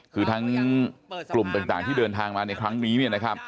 คือทั้งกลุ่มต่างที่เดินทางมาในครั้งนี้